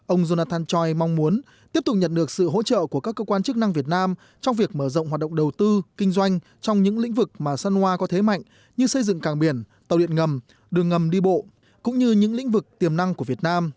ông jonathan choi mong muốn tiếp tục nhận được sự hỗ trợ của các cơ quan chức năng việt nam trong việc mở rộng hoạt động đầu tư kinh doanh trong những lĩnh vực mà san hoa có thế mạnh như xây dựng càng biển tàu điện ngầm đường ngầm đi bộ cũng như những lĩnh vực tiềm năng của việt nam